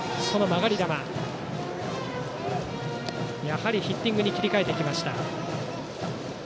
やはりヒッティングに切り替えてきました。